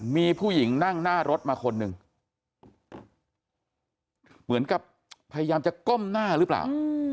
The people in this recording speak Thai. มีผู้หญิงนั่งหน้ารถมาคนหนึ่งเหมือนกับพยายามจะก้มหน้าหรือเปล่า